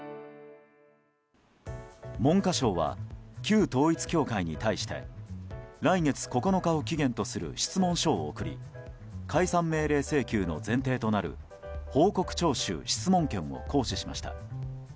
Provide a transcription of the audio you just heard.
文科省は、旧統一教会に対して来月９日を期限とする質問書を送り解散命令請求の前提となる報告徴収・質問権を行使しました。